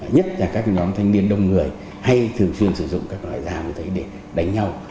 nhất là các nhóm thanh niên đông người hay thường xuyên sử dụng các loại dao để đánh nhau